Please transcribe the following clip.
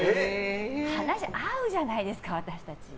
話、合うじゃないですか私たち。